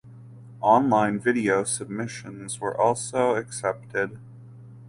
Online video submissions were also accepted.